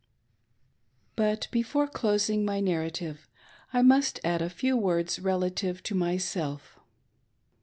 •But before closing my narrative, I must add a few words relative to myself.